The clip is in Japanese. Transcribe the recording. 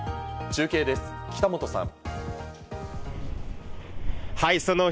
中継です、北本さん。